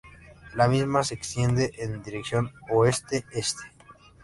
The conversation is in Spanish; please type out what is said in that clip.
La misma se extiende en dirección oeste-este.